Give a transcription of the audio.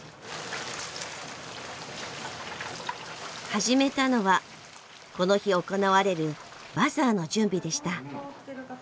始めたのはこの日行われるバザーの準備でした。